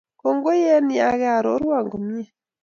Kongoi eng yake arorwa komnye